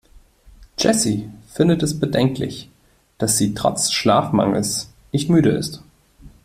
Jessy findet es bedenklich, dass sie trotz Schlafmangels nicht müde ist.